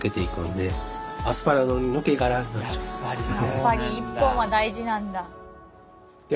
やっぱり１本は大事なんだ。